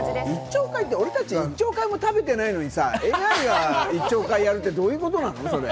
俺たち１兆回も食べてないのにＡＩが１兆回やるってどういうことなの？